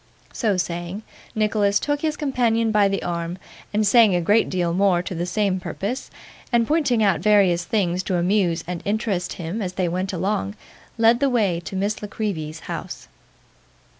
So saying, Nicholas took his companion by the arm, and saying a great deal more to the same purpose, and pointing out various things to amuse and interest him as they went along, led the way to Miss La Creevy's house.